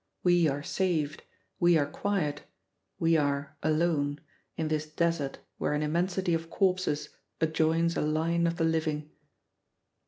We are saved, we are quiet, we are alone, in this desert where an immensity of corpses adjoins a line of the living.